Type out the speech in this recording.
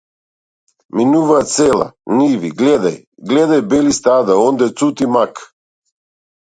Минуваат села, ниви, гледај, гледај бели стада, онде цути мак!